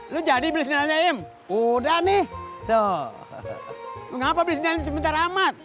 lu jadi berjalan ya im udah nih tuh ngapa bisa sebentar amat